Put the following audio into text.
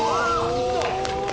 いった！